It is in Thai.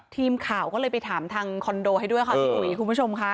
ทีมข่าวก็เลยไปถามทางคอนโดให้ด้วยค่ะพี่อุ๋ยคุณผู้ชมค่ะ